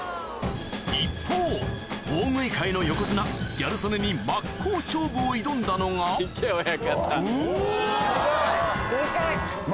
一方大食い界の横綱ギャル曽根に真っ向勝負を挑んだのがおぉ！